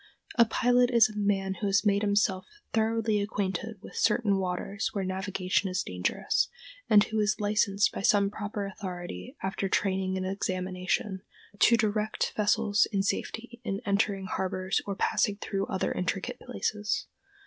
A pilot is a man who has made himself thoroughly acquainted with certain waters where navigation is dangerous, and who is licensed by some proper authority, after training and examination, to direct vessels in safety in entering harbors or passing through other intricate places.